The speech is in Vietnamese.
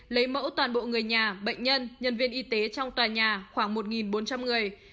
lấy mẫu toàn bộ người nhà bệnh nhân nhân viên y tế trong tòa nhà khoảng một bốn trăm linh người